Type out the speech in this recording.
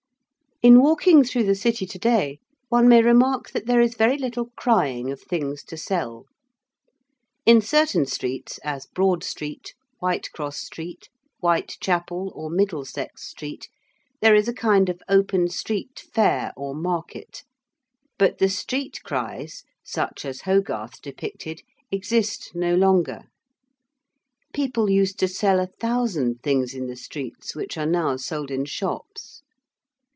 In walking through the City to day, one may remark that there is very little crying of things to sell. In certain streets, as Broad Street, Whitecross Street, Whitechapel, or Middlesex Street, there is a kind of open street, fair, or market; but the street cries such as Hogarth depicted exist no longer. People used to sell a thousand things in the streets which are now sold in shops.